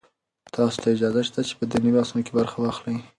تاسو ته اجازه شته چې په دیني بحثونو کې برخه واخلئ.